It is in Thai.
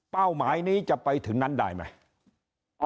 หมายนี้จะไปถึงนั้นได้ไหม